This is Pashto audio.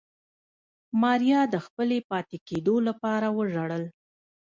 ماريا د خپلې پاتې کېدو لپاره وژړل.